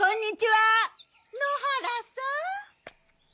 野原さん。